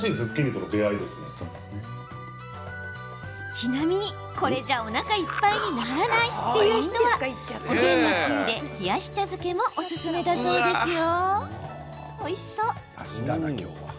ちなみに、これじゃおなかいっぱいにならないという人はおでんのつゆで冷やし茶漬けもおすすめだそうですよ。